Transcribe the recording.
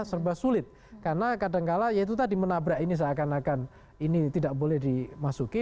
serba sulit karena kadangkala ya itu tadi menabrak ini seakan akan ini tidak boleh dimasuki